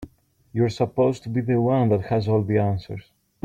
You're supposed to be the one that has all the answers.